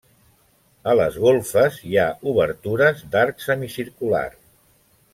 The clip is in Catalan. A les golfes hi ha obertures d'arc semicircular.